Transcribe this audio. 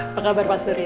apa kabar pak surya